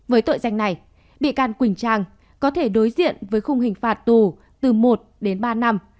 với tội danh này bị can quỳnh trang có thể đối diện với khung hình phạt tù từ một đến ba năm